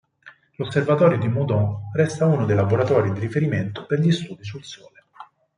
L'Osservatorio di Meudon resta uno dei laboratori di riferimento per gli studi sul Sole.